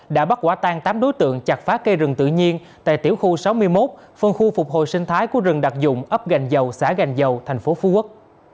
đã bắt quả tan tám đối tượng chặt phá cây rừng tự nhiên tại tiểu khu sáu mươi một phân khu phục hồi sinh thái của rừng đặc dụng ấp gành dầu xã gành dầu thành phố phú quốc